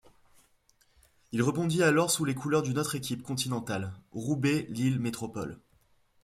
Il rebondit alors sous les couleurs d'une autre équipe continentale, Roubaix Lille Métropole.